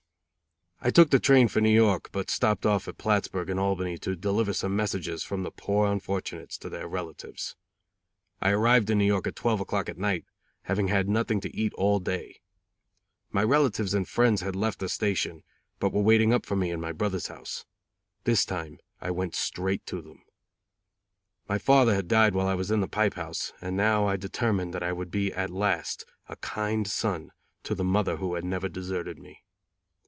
I took the train for New York, but stopped off at Plattsburg and Albany to deliver some messages from the poor unfortunates to their relatives. I arrived in New York at twelve o'clock at night, having had nothing to eat all day. My relatives and friends had left the station, but were waiting up for me in my brother's house. This time I went straight to them. My father had died while I was in the pipe house, and now I determined that I would be at last a kind son to the mother who had never deserted me.